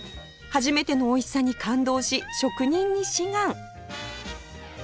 初めてのおいしさに感動し職人に志願